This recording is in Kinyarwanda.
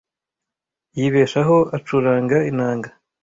Yibeshaho acuranga inanga.